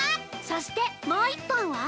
そしてもう一本は